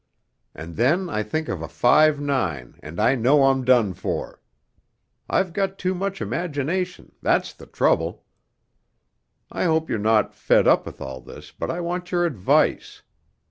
'And then I think of a 5 9 and I know I'm done for.... I've got too much imagination, that's the trouble (I hope you're not fed up with all this, but I want your advice)....